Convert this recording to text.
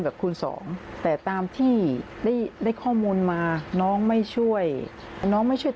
กับคุณสองแต่ตามที่ได้ได้ข้อมูลมาน้องไม่ช่วยน้องไม่ช่วย